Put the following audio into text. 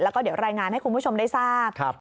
แล้วก็เดี๋ยวรายงานให้คุณผู้ชมได้ทราบ